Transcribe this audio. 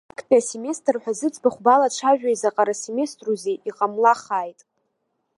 Актәи асеместр ҳәа зыӡбахә балацәажәо изаҟара семеструзеи, иҟамлахааит.